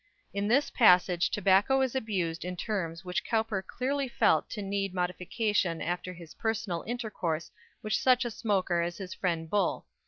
In this passage tobacco is abused in terms which Cowper clearly felt to need modification after his personal intercourse with such a smoker as his friend Bull.